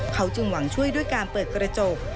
เขาจึงหวังช่วยด้วยการเปิดกระจก